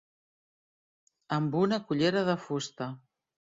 Amb una cullera de fusta.